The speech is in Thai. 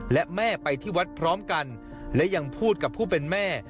และแม่ไปที่วัดพร้อมกันและยังพูดกับผู้เป็นแม่